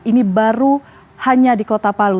ini baru hanya di kota palu